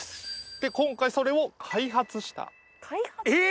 で今回それを開発した。え！